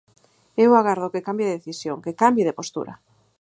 E eu agardo que cambie de decisión, que cambie de postura.